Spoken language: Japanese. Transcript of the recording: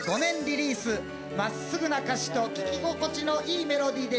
真っすぐな歌詞と聞き心地のいいメロディーで